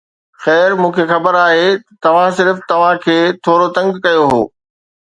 خير، مون کي خبر آهي ته توهان صرف توهان کي ٿورو تنگ ڪيو هو